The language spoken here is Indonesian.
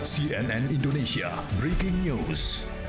cnn indonesia breaking news